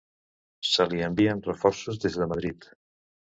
Se li envien reforços des de Madrid.